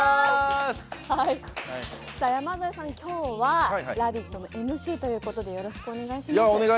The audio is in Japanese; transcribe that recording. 山添さん、今日は「ラヴィット！」のＭＣということで、よろしくお願いします。